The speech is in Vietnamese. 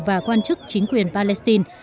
và quan chức chính quyền palestine